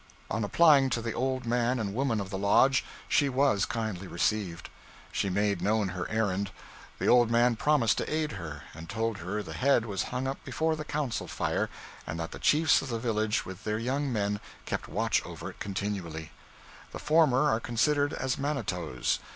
On applying to the old man and woman of the lodge, she was kindly received. She made known her errand. The old man promised to aid her, and told her the head was hung up before the council fire, and that the chiefs of the village, with their young men, kept watch over it continually. The former are considered as manitoes.